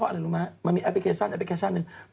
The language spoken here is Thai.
ทุกวันนี้ฉันก็ไม่อยากจะเชื่อว่าอะไรรู้ไหม